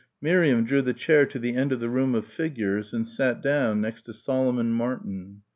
Miriam drew the chair to the end of the row of figures and sat down next to Solomon Martin.